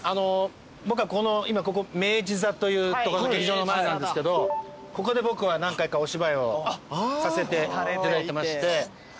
僕は今ここ明治座という劇場の前なんですけどここで僕は何回かお芝居をさせていただいてまして。